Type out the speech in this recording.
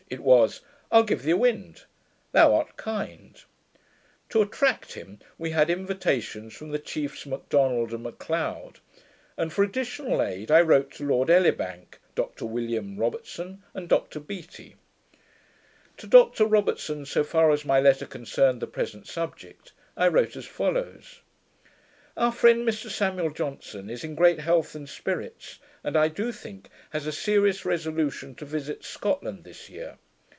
It was, 'I'll give thee a wind.' 'Thou art kind.' To attract him, we had invitations from the chiefs Macdonald and Macleod; and, for additional aid, I wrote to Lord Elibank, Dr William Robertson, and Dr Beattie. To Dr Robertson, so far as my letter concerned the present subject, I wrote as follows: Our friend, Mr Samuel Johnson, is in great health and spirits; and, I do think, has a serious resolution to visit Scotland this year.